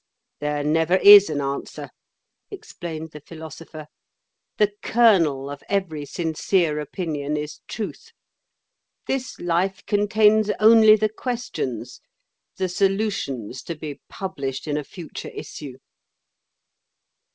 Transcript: '" "There never is an answer," explained the Philosopher. "The kernel of every sincere opinion is truth. This life contains only the questions—the solutions to be published in a future issue."